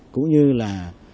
cũng như là